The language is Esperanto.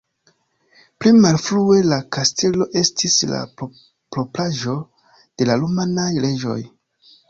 Pli malfrue la kastelo estis la propraĵo de la rumanaj reĝoj.